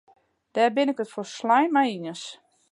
Dêr bin ik it folslein mei iens.